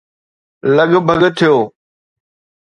لڳ ڀڳ ٿيو